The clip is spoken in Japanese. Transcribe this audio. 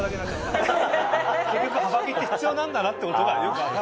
結局幅木って必要なんだなってことがよく分かる。